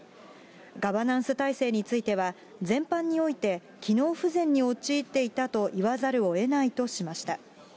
ガバナンス体制については、全般において、機能不全に陥っていたといわざるをえないとしました。